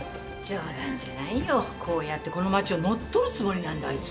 こうやってこの町を乗っ取るつもりなんだ、あいつ。